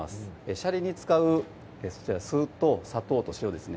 シャリに使うそちら酢と砂糖と塩ですね